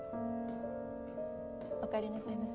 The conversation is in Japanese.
おかえりなさいませ。